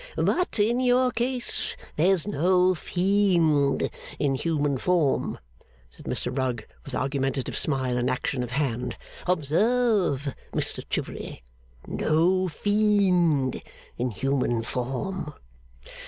'But in your case there's no fiend in human form,' said Mr Rugg, with argumentative smile and action of hand. 'Observe, Mr Chivery! No fiend in human form!